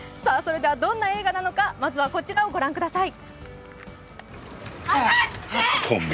どんな映画なのかまずはこちらを御覧ください。